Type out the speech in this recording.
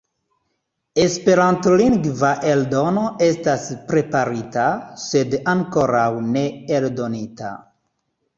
Esperantlingva eldono estas preparita, sed ankoraŭ ne eldonita.